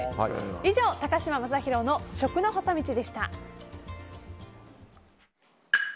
以上、高嶋政宏の食の細道でした。